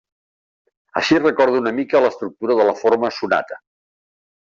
Així recorda una mica a l’estructura de la forma sonata.